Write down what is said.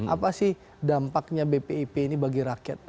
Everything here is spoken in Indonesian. apa sih dampaknya bpip ini bagi rakyat